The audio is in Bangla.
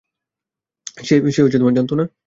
সে জানত না?